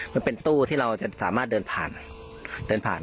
มันเป็นตู้ที่เราจะสามารถเดินผ่านเดินผ่าน